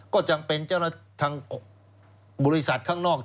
ก็จะเป็นเจ้าหน้าที่ทางบริษัทข้างนอก